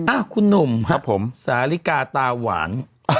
อ้าวคุณหนุ่มครับสาธิกาตาหวาน